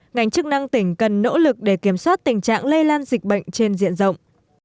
ngành chức năng tỉnh cần nỗ lực để kiểm soát tình trạng lây lan dịch bệnh trên diện rộng